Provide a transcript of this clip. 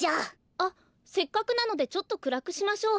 あっせっかくなのでちょっとくらくしましょう。